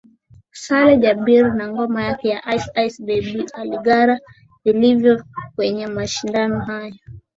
Saleh Jabir na ngoma yake ya Ice Ice Baby alingara vilivyo kwenye mashindano hayo